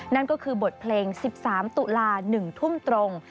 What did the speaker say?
นั่นก็คือบทเพลง๑๓ตุลา๑ทุ่มตรง